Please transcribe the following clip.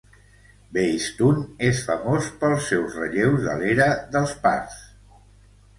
Behistun és famós pels seus relleus de l'era dels parts.